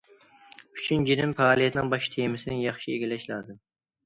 ئۈچىنچىدىن، پائالىيەتنىڭ باش تېمىسىنى ياخشى ئىگىلەش لازىم.